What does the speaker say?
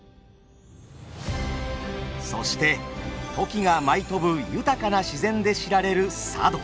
そしてトキが舞い飛ぶ豊かな自然で知られる佐渡。